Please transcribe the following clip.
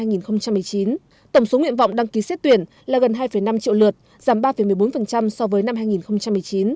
năm hai nghìn một mươi chín tổng số nguyện vọng đăng ký xét tuyển là gần hai năm triệu lượt giảm ba một mươi bốn so với năm hai nghìn một mươi chín